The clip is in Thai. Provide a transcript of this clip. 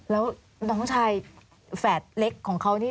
แล้วน้องชายแฝดเล็กของเขานี่